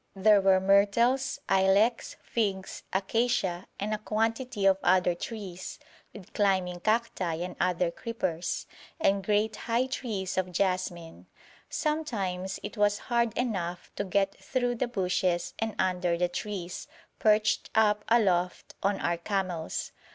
There were myrtles, ilex, figs, acacia, and a quantity of other trees, with climbing cacti and other creepers, and great high trees of jasmin. Sometimes it was hard enough to get through the bushes and under the trees, perched up aloft on our camels.